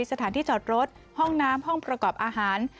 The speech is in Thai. สถานที่จอดรถห้องน้ำห้องประกอบอาหาร